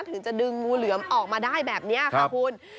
ถึงจะดึงงูเหลือมออกมาได้แบบนี้ค่ะคุณ